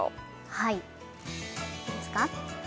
はいいいですか？